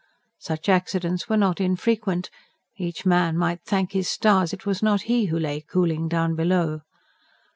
Such accidents were not infrequent; each man might thank his stars it was not he who lay cooling down below.